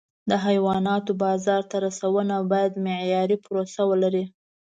د حیواناتو بازار ته رسونه باید معیاري پروسه ولري.